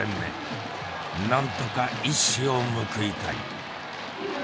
なんとか一矢を報いたい。